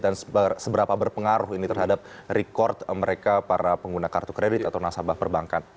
seberapa berpengaruh ini terhadap record mereka para pengguna kartu kredit atau nasabah perbankan